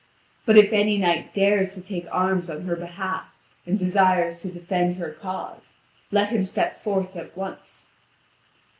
But if any knight dares to take arms on her behalf and desires to defend her cause, let him step forth at once."